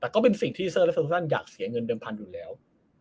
แต่ก็เป็นสิ่งที่เซอร์และโซซันอยากเสียเงินเดิมพันธุ์อยู่แล้ว